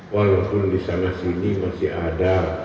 walaupun di sana sini masih ada